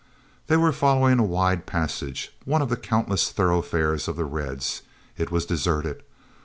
They were following a wide passage, one of the countless thoroughfares of the Reds. It was deserted.